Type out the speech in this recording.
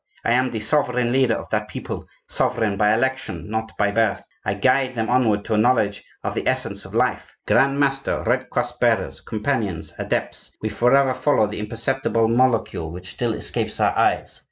I am the sovereign leader of that people, sovereign by election, not by birth. I guide them onward to a knowledge of the essence of life. Grand master, Red Cross bearers, companions, adepts, we forever follow the imperceptible molecule which still escapes our eyes.